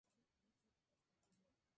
Este grupo duró tres años.